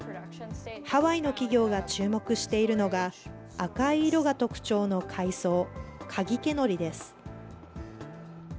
ハワイの企業が注目しているのが、赤い色が特徴の海藻、カギケノリです。